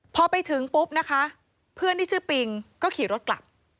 พอไปถึงปุ๊บนะคะเพื่อนที่ชื่อปิงก็ขี่รถกลับ